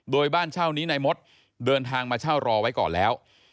โดยบ้านเช่านี้นายมดเดินทางมาเช่ารอไว้ก่อนแล้ว